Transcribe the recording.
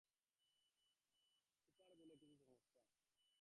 Super বোলে কিছু সমস্যা হয়েছে!